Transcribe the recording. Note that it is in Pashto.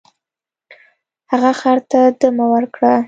هغه خر ته دمه ورکړه.